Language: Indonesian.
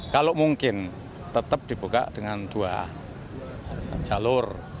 kalau mungkin tetap dibuka dengan dua jalur